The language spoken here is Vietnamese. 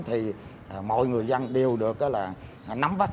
thì mọi người dân đều được nắm bắt